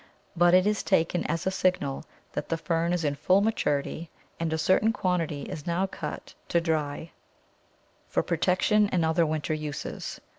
But it is taken as a signal that the Fern is in full maturity, and a certain quantity is now cut to dry for protection and other winter uses.